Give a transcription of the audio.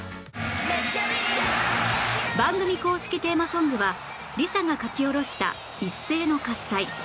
番組公式テーマソングは ＬｉＳＡ が書き下ろした『一斉ノ喝采』